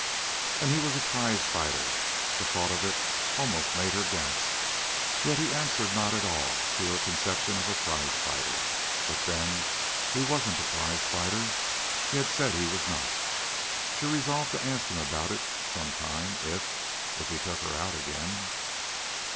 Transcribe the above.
And he was a prizefighter. The thought of it almost made her gasp. Yet he answered not at all to her conception of a prizefighter. But, then, he wasn't a prizefighter. He had said he was not. She resolved to ask him about it some time if... if he took her out again.